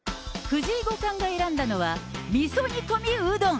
藤井五冠が選んだのは、みそ煮込みうどん。